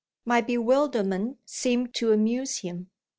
My bewilderment seemed to amuse him.